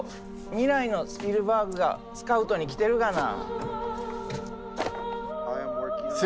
未来のスピルバーグがスカウトに来てるがな。